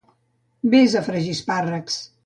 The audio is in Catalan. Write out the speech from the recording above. Ves a fregir espàrrecs!